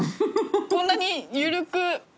こんなに緩く。